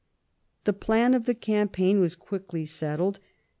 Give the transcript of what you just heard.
The plan of the campaign was quickly settled.